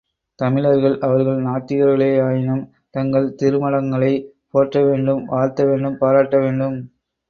தமிழர்கள், அவர்கள் நாத்திகர்களே யாயினும், தங்கள் திருமடங்களைப் போற்ற வேண்டும் வாழ்த்த வேண்டும் பாராட்ட வேண்டும்.